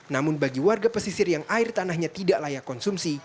namun bagi warga pesisir yang air tanahnya tidak layak konsumsi